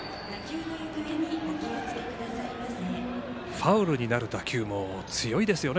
ファウルになる打球も強いですよね。